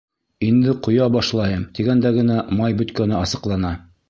Инде ҡоя башлайым, тигәндә генә май бөткәне асыҡлана.